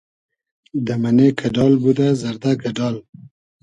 دۂ مئنې کئۮال بودۂ زئردئگ اۮال